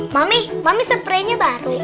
mami mami suprihnya baru